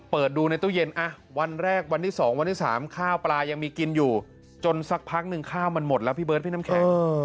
เปิดดูในตู้เย็นวันแรกวันที่๒วันที่๓ข้าวปลายังมีกินอยู่จนสักพักหนึ่งข้าวมันหมดแล้วพี่เบิร์ดพี่น้ำแข็ง